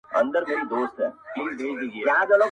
دا کيسه درس ورکوي ډېر,